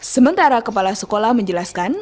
sementara kepala sekolah menjelaskan